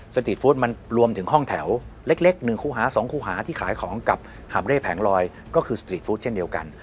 สตรีทฟู้ดมันรวมถึงห้องแถวเล็ก๑คู่หา๒คู่หาที่ขายของกับหาบเร่แผงลอยก็คือสตรีทฟู้ดเช่นเดียวกัน